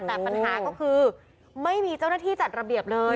แต่ปัญหาก็คือไม่มีเจ้าหน้าที่จัดระเบียบเลย